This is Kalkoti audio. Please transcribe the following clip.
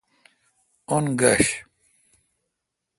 اُن گش